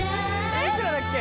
いくらだっけ？